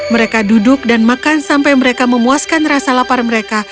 mereka duduk dan makan sampai mereka memuaskan rasa lapar mereka